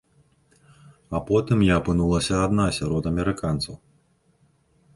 А потым я апынулася адна сярод амерыканцаў.